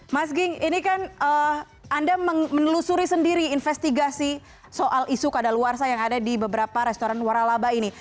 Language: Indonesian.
mas ging ini kan anda menelusuri sendiri investigasi soal isu kadaluarsa yang ada di beberapa restoran waralaba ini